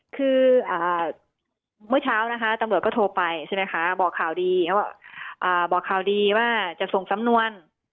คือเมื่อเช้าตำรวจก็โทรไปบอกข่าวดีว่าจะส่งสำนวน